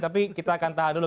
tapi kita akan tahan dulu